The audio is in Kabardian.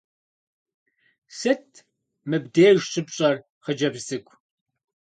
Сыт м ыбдеж щыпщӀэр, хъыджэбз цӀыкӀу?